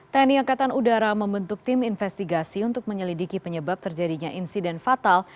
tni angkatan udara membentuk tim investigasi untuk menyelidiki penyebab terjadinya insiden fatal